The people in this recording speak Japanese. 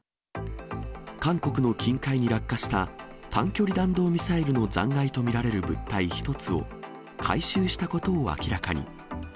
韓国の近海に落下した短距離弾道ミサイルの残骸と見られる物体１つを回収したことを明らかに。